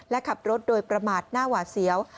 และขับรถโดยประมาทหน้าหวาดเสียว